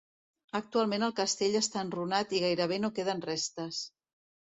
Actualment el castell està enrunat i gairebé no queden restes.